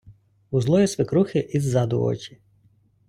у злої свекрухи і ззаду очі